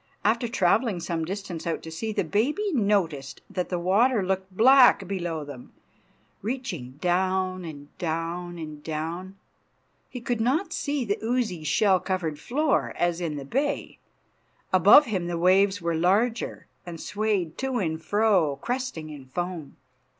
After travelling some distance out to sea the baby noticed that the water looked black below them, reaching down and down and down. He could not see the oozy, shell covered floor, as in the bay. Above him the waves were larger, and swayed to and fro, cresting in foam.